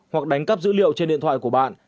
hoặc đánh cắp dữ liệu trên điện thoại của bạn